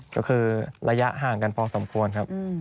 ก็คือระยะห่างกันพอสมควรครับ